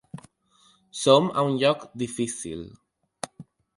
Som a un lloc difícil.